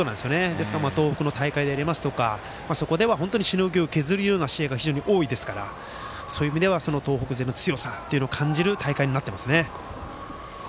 東北の大会でありますとか本当にしのぎを削るような試合が多いですから、そういう意味では東北勢の強さを感じる大会になっていますね。